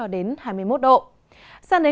sang đến ngày mai miền trung chỉ có mưa một vài nơi